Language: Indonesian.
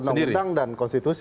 undang undang dan konstitusi